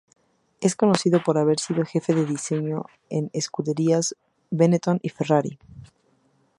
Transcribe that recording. Es conocido por haber sido jefe de diseño en las escuderías Benetton y Ferrari.